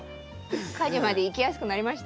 果樹まで行きやすくなりました？